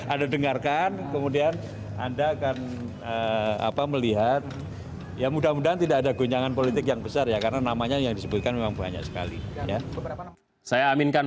anda dengarkan kemudian anda akan melihat